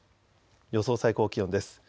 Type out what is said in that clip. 予想最高気温です。